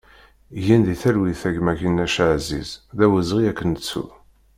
Gen di talwit a gma Kennac Aziz, d awezɣi ad k-nettu!